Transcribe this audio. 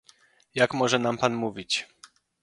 Jak może nam pan mówić